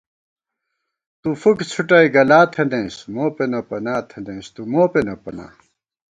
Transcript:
تُوفُک څھُٹَئ گلا تھنَئیس، موپېنہ پنا تھنَئیس تُومو پېنہ پنا